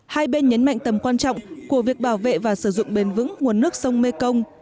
hai bên nhấn mạnh tầm quan trọng của việc bảo vệ và sử dụng bền vững nguồn nước sông mekong